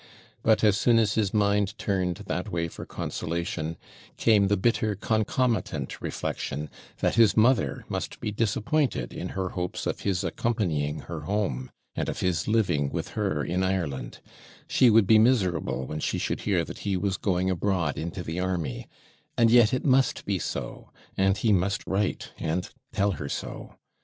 But, as soon as his mind turned that way for consolation, came the bitter concomitant reflection, that his mother must be disappointed in her hopes of his accompanying her home, and of his living with her in Ireland; she would be miserable when she should hear that he was going abroad into the army and yet it must be so and he must write, and tell her so.